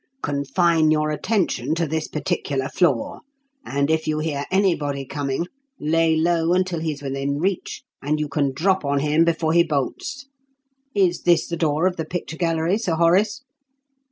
Confine your attention to this particular floor, and if you hear anybody coming, lay low until he's within reach, and you can drop on him before he bolts. Is this the door of the picture gallery, Sir Horace?"